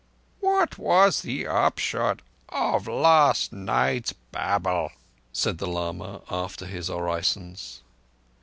"What was the upshot of last night's babble?" said the lama, after his orisons.